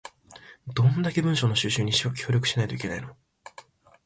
どんだけ文書の収集に協力しないといけないの